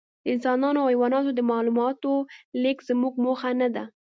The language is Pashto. د انسانانو او حیواناتو د معلوماتو لېږد زموږ موخه نهده.